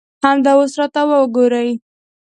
همدا اوس راته وګورئ.